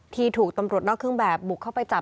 ถูกตำรวจนอกเครื่องแบบบุกเข้าไปจับ